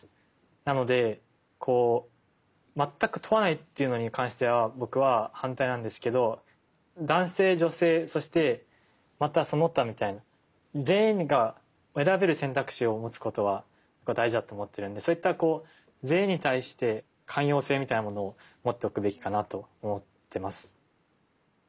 なので全く問わないっていうのに関しては僕は反対なんですけど男性女性そしてまたその他みたいな全員が選べる選択肢を持つことは大事だと思ってるんでそういった全員に対して寛容性みたいなものを持っておくべきかなと思ってます。